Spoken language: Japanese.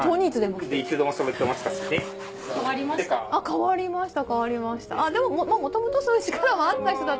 変わりました？